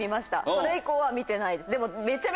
それ以降は見てないですでも。